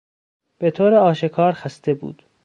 به طور آشکار خسته بود.